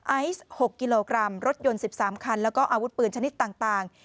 ไอซ์๖กิโลกรัมรถยนต์๑๓คันแล้วก็อาวุธปืนชนิดต่าง